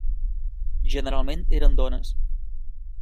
Generalment eren dones.